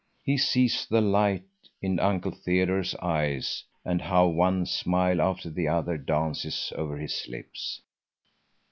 He sees the light in Uncle Theodore's eyes and how one smile after the other dances over his lips.